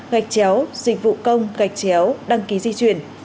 gạch chéo dịch vụ công gạch chéo đăng ký di chuyển